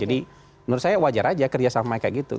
jadi menurut saya wajar aja kerja sama kayak gitu